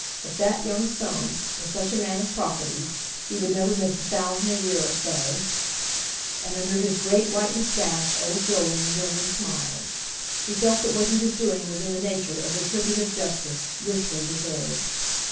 If that young Soames were such a man of property, he would never miss a thousand a year or so; and under his great white moustache old Jolyon grimly smiled. He felt that what he was doing was in the nature of retributive justice, richly deserved.